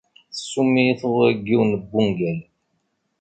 Tsumm-iyi tɣuri n yiwen n wungal.